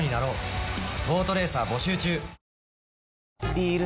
ビール